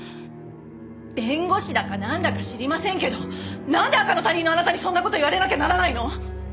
弁護士だかなんだか知りませんけどなんで赤の他人のあなたにそんな事言われなきゃならないの？